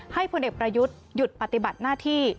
พลเอกประยุทธ์หยุดปฏิบัติหน้าที่